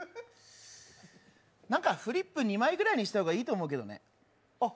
なんかフリップ２枚ぐらいにした方がいいと思うけどね。